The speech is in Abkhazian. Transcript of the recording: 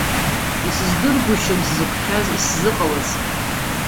Исыздыргәышьом сзықәшәаз, исзыҟалаз!